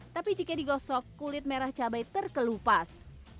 tapi jika digosok kulit merah cabai terkelupas